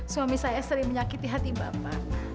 suami saya sering menyakiti hati bapak